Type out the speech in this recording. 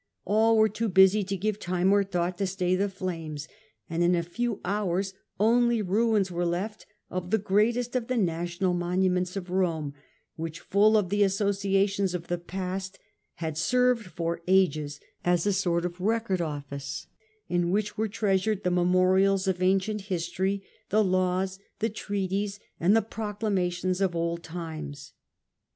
All were too busy to give time or thought to stay the flames, and in a few hours only ruins were left of the greatest of the national monuments of Rome, which, full of the associations of the past, had served for ages as a sort of record office in which were treasured the memorials of ancient history, the laws, the treaties, and the proclamations of old times.